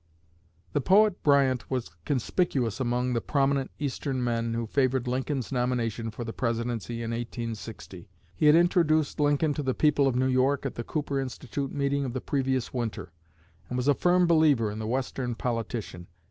The poet Bryant was conspicuous among the prominent Eastern men who favored Lincoln's nomination for the Presidency in 1860. He had introduced Lincoln to the people of New York at the Cooper Institute meeting of the previous winter, and was a firm believer in the Western politician.